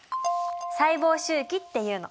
細胞周期っていうの。